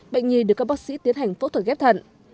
bệnh nhi được các bác sĩ tiến hành phẫu thuật ghép thận